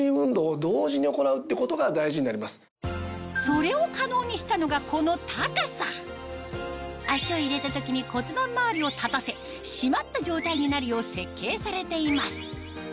それを可能にしたのが足を入れた時に骨盤周りを立たせ締まった状態になるよう設計されています